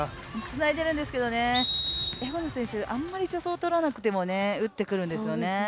つないでいるんですけど、エゴヌ選手、あんまり助走とらなくても打ってくるんですよね。